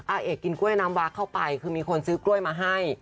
อาเอกกินกล้วยน้ำว้าเข้าไปคือมีคนซื้อกล้วยมาให้